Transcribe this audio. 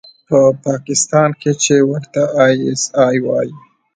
په پاکستان کښې چې ورته آى اس آى وايي.